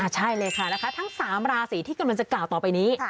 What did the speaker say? ใช่เลยค่ะนะคะทั้ง๓ราศีที่กำลังจะกล่าวต่อไปนี้